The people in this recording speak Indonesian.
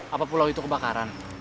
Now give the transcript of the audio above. apa pulau itu kebakaran